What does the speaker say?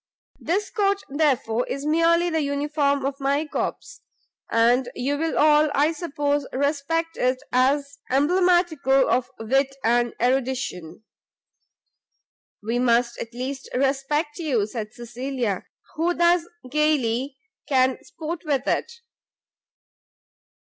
This coat, therefore, is merely the uniform of my corps, and you will all, I hope, respect it as emblematical of wit and erudition." "We must at least respect you," said Cecilia, "who thus gaily can sport with it."